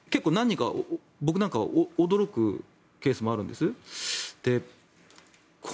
僕なんかは驚くケースもあるんです。